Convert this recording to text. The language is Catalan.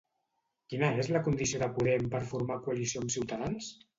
Quina és la condició de Podem per formar coalició amb Ciutadans?